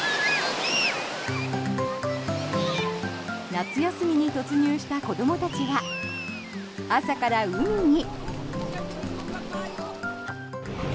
夏休みに突入した子どもたちは朝から海に。